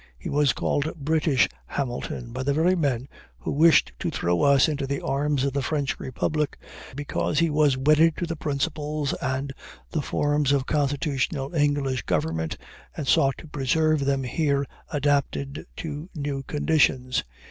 He was called "British" Hamilton by the very men who wished to throw us into the arms of the French republic, because he was wedded to the principles and the forms of constitutional English government and sought to preserve them here adapted to new conditions.